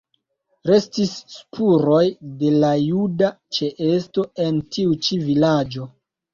Restis spuroj de la juda ĉeesto en tiu ĉi vilaĝo.